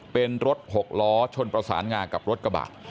เป็นรถหกล้อชนประสานงากับรถกระบะ